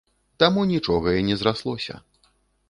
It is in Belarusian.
Таму нічога і не зраслося.